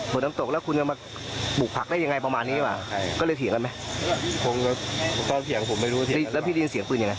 ก็เลยบอกว่าตำรักโดนยิง